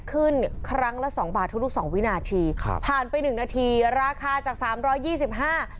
ขึ้นครั้งละ๒บาททุก๒วินาทีผ่านไป๑นาทีราคาจาก๓๒๕บาท